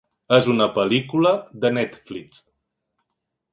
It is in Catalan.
És una pel·lícula de Netflix.